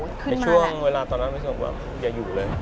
ในช่วงเวลาตอนนั้นไม่สมบัติว่าอย่าอยู่เลย